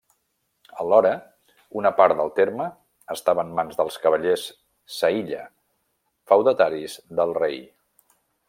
Alhora, una part del terme estava en mans dels cavallers Sa Illa, feudataris del rei.